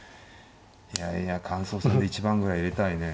いやいや感想戦で一番ぐらい入れたいね。